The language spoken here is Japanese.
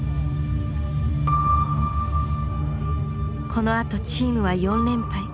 このあとチームは４連敗。